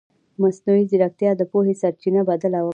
مصنوعي ځیرکتیا د پوهې سرچینه بدله کوي.